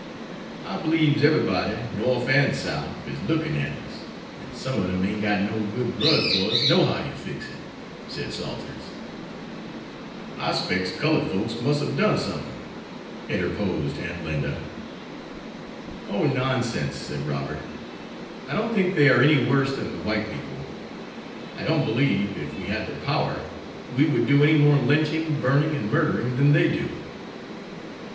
"I beliebs eberybody, Norf and Souf, is lookin' at us; an' some ob dem ain't got no good blood fer us, nohow you fix it," said Salters. "I specs cullud folks mus' hab done somethin'," interposed Aunt Linda. "O, nonsense," said Robert. "I don't think they are any worse than the white people. I don't believe, if we had the power, we would do any more lynching, burning, and murdering than they do."